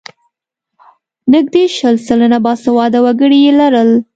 نږدې شل سلنه باسواده وګړي یې لرل.